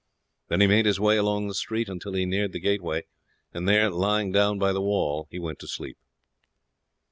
Then he made his way along the street until he neared the gateway, and there lying down by the wall he went to sleep.